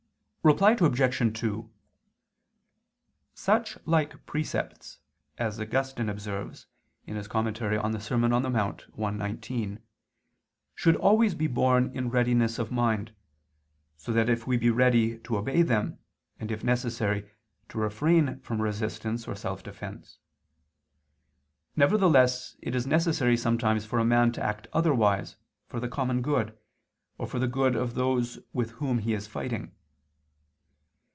Reply Obj. 2: Such like precepts, as Augustine observes (De Serm. Dom. in Monte i, 19), should always be borne in readiness of mind, so that we be ready to obey them, and, if necessary, to refrain from resistance or self defense. Nevertheless it is necessary sometimes for a man to act otherwise for the common good, or for the good of those with whom he is fighting.